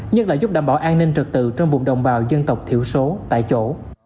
nhất là giúp đảm bảo an ninh trật tự trong vùng đồng hòa dân tộc tiểu số tại chỗ